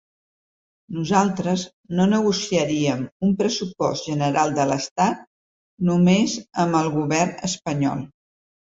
Nosaltres no negociaríem un pressupost general de l’estat només amb el govern espanyol.